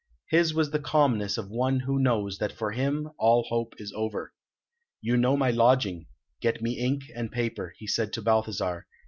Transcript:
His was the calmness of one who knows that for him all hope is over. "You know my lodging; get me ink and paper," he said to Balthasar.